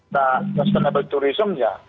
dan sustainable tourism nya